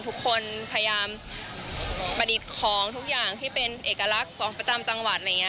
ทุกคนพยายามบริกองทุกอย่างที่เป็นเอกลักษณ์ของประจำจังหวัด